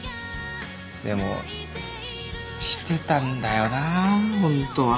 でもしてたんだよなほんとは。